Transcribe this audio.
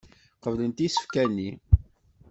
Qeblent isefka-nni.